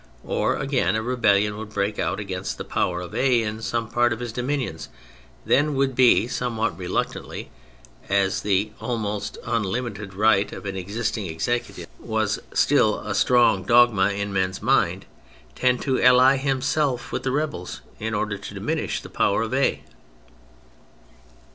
Or, again, a rebelUon would break out against the power of A in some part of his dominions; then would B, somewhat reluctantly (as the almost unlimited right of an existing executive THE MILITARY ASPECT 147 was still a strong dogma in men's minds), tend to ally himself with the rebels in order to diminish the power of A.